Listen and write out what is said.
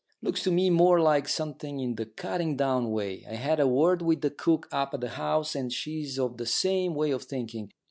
Looks to me more like something in the cutting down way. I had a word with the cook up at the House, and she's of the same way of thinking.